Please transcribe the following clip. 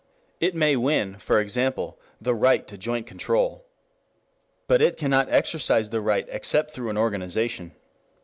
It may win, for example, the right to joint control. But it cannot exercise the right except through an organization.